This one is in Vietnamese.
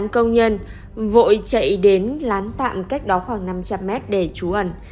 một mươi tám công nhân vội chạy đến lán tạm cách đó khoảng năm trăm linh m để trú ẩn